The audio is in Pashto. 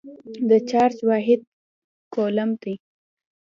د چارج واحد کولم دی.